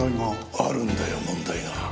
あるんだよ問題が。